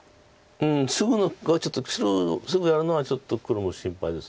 うんすぐはちょっとすぐやるのはちょっと黒も心配です